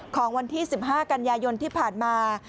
ของวันที่๑๕กันยายนที่ผ่านมา